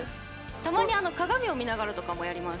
たまに鏡を見ながらとかもやります。